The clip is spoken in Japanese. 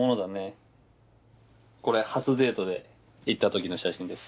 これ初デートで行ったときの写真です。